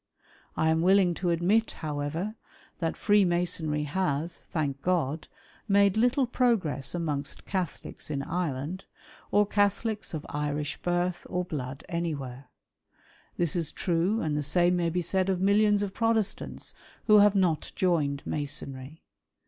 I am willing to admit, however, that Freemasonry has, thank God, made little progress amongst Catholics in Ireland, or Catholics of Irish birth or blood anywhere. This is true, and the same may be said of millions of Protestants who have not joined Masonry.